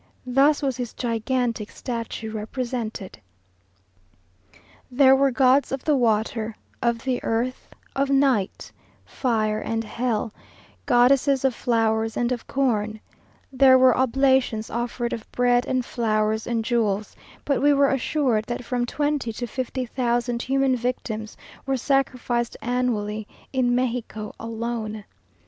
Thus was his gigantic statue represented. There were gods of the Water, of the Earth, of Night, Fire, and Hell; goddesses of Flowers and of Corn: there were oblations offered of bread and flowers and jewels, but we are assured that from twenty to fifty thousand human victims were sacrificed annually in Mexico alone!